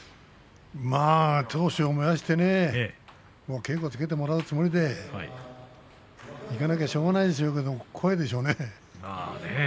闘志を燃やして稽古つけてもらうつもりでいかなきゃしょうがないでしょうけども怖いでしょうね。